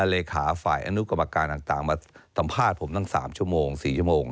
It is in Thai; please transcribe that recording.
เลขาฝ่ายอนุกรรมการต่างมาสัมภาษณ์ผมตั้ง๓ชั่วโมง๔ชั่วโมง